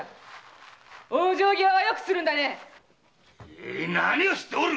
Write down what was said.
ええい何をしておる！